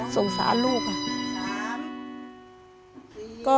สงสารลูกค่ะ